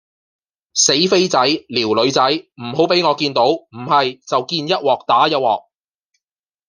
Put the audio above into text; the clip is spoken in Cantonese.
死飛仔撩女仔唔好畀我見到唔喺就見一鑊打一鑊